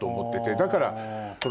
だから。